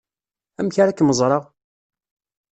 Amek ara kem-ẓreɣ?